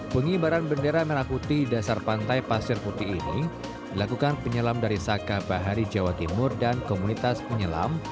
pengibaran bendera merah putih di dasar pantai pasir putih ini dilakukan penyelam dari saka bahari jawa timur dan komunitas penyelam